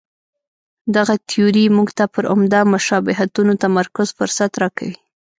دغه تیوري موږ ته پر عمده مشابهتونو تمرکز فرصت راکوي.